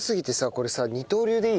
これさ二刀流でいい？